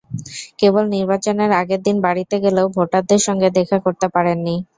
কেবল নির্বাচনের আগের দিন বাড়িতে গেলেও ভোটারদের সঙ্গে দেখা করতে পারেননি।